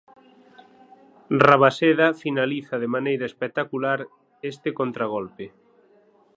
Rabaseda finaliza de maneira espectacular este contragolpe.